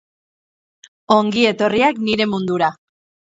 Ongi etorriak nire mundura.